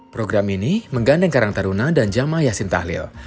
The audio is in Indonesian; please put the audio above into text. program ini menggandeng karang taruna dan jamaah yasin tahlil